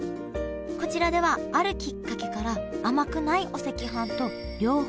こちらではあるきっかけから甘くないお赤飯と両方出すようになったんだ